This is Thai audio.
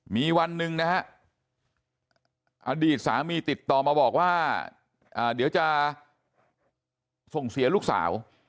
มีวันหนึ่งนะฮะอดีตสามีติดต่อมาบอกว่าเดี๋ยวจะส่งเสียลูกสาว